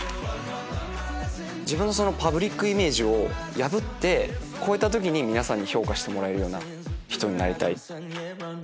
自分のパブリックイメージを破って超えた時に皆さんに評価してもらえる人になりたい。